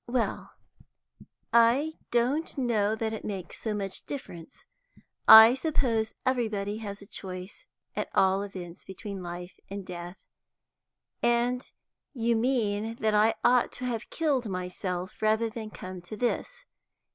"Well, I don't know that it makes so much difference. I suppose everybody has a choice at all events between life and death, and you mean that I ought to have killed myself rather than come to this.